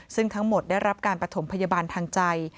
ซึ่งทั้งหมดได้รับการประถมพยาบาลทางใจ